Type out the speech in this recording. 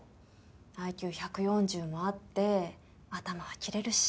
ＩＱ１４０もあって頭は切れるし。